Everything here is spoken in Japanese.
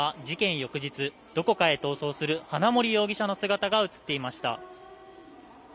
翌日、どこかへ逃走する花森容疑者の姿が映っていました。